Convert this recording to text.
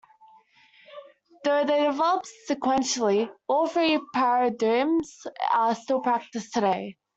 Though they developed sequentially, all three paradigms are still practised today.